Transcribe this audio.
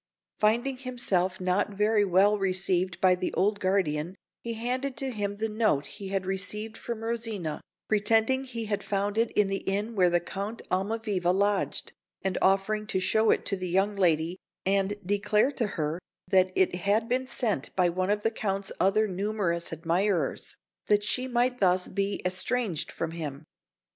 Finding himself not very well received by the old guardian, he handed to him the note he had received from Rosina, pretending he had found it in the inn where Count Almaviva lodged, and offering to show it to the young lady and declare to her that it had been sent by one of the Count's other numerous admirers, that she might thus become estranged from him.